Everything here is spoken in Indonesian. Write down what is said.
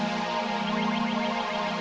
emanya udah pulang kok